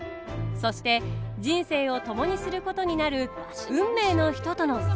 そして人生を共にすることになる運命の人との再会。